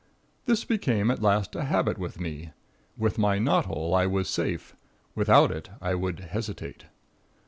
This became at last a habit with me. With my knot hole I was safe, without it I would hesitate.